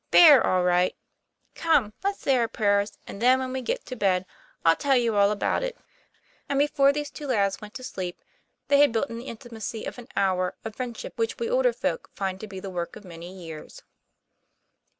They're all right. Come, let's say our prayers, and then when we get to bed I'll tell you all about it." JO 146 TOM PLA YPA1R. And before these two lads went to sleep, they had built in the intimacy of an hour a friendship which we older folk find to be the work of many years.